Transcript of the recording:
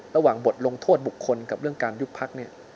บทลงโทษบุคคลกับเรื่องการยุบพักเนี่ย